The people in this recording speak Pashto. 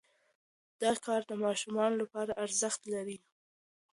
دا کار د ماشومانو لپاره ارزښت لري.